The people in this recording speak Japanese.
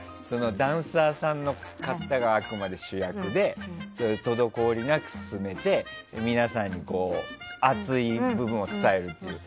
ダンサーさんの方があくまで主役で滞りなく進めて皆さんに熱い部分を伝えるっていう。